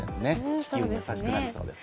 地球に優しくなりそうです。